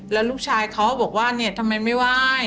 แล้วลูกชายเขาบอกว่าเนี่ยทำไมไม่ไหว้